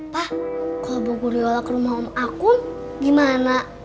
pak kalau bu guriola ke rumah om akum gimana